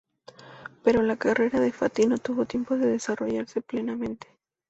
Pero la carrera de Fatty no tuvo tiempo de desarrollarse plenamente.